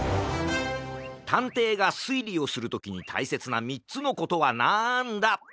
たんていがすいりをするときにたいせつな３つのことはなんだ？